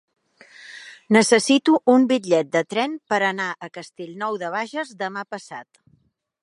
Necessito un bitllet de tren per anar a Castellnou de Bages demà passat.